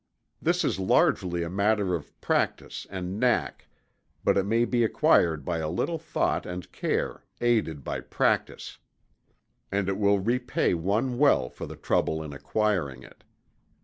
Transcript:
This is largely a matter of practice and knack, but it may be acquired by a little thought and care, aided by practice. And it will repay one well for the trouble in acquiring it.